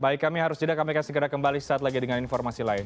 baik kami harus jadikan maklumat segera kembali setelah ini dengan informasi lain